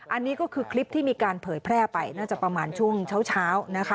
อันนี้ก็คือคลิปที่มีการเผยแพร่ไปน่าจะประมาณช่วงเช้านะคะ